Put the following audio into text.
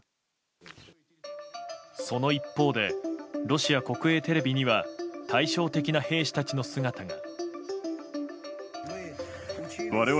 その一方でロシア国営テレビには対照的な兵士たちの姿が。